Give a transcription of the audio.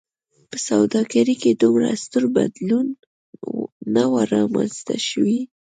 په سوداګرۍ کې دومره ستر بدلون نه و رامنځته شوی.